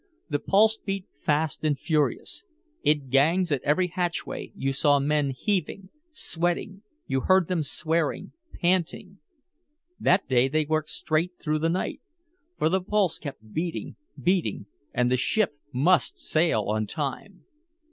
The pulse beat fast and furious. In gangs at every hatchway you saw men heaving, sweating, you heard them swearing, panting. That day they worked straight through the night. For the pulse kept beating, beating, and the ship must sail on time!